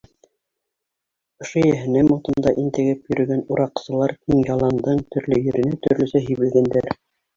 Ошо йәһәннәм утында интегеп йөрөгән ураҡсылар киң яландың төрлө еренә төрлөсә һибелгәндәр.